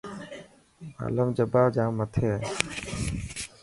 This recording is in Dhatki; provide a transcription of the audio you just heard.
نمالم جبا جام مٿي هي.